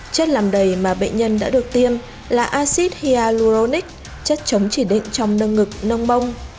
chất làm đầy mà bệnh nhân đã được tiêm là acid hyaluronic chất chống chỉ định trong nâng ngực nông